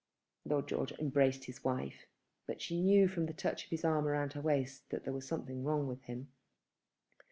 Lord George embraced his wife, but she knew from the touch of his arm round her waist that there was something wrong with him.